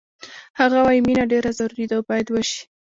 هغه وایی مینه ډېره ضروري ده او باید وشي